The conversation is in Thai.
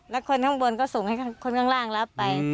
แล้วคนข้างบนก็ส่งให้คนข้างล่างรับไป